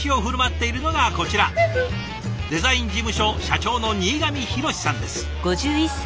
デザイン事務所社長の新上ヒロシさんです。